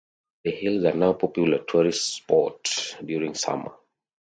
The hills are now a popular tourist spot during summer.